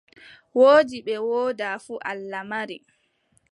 Woodi bee woodaa fuu Allah mari.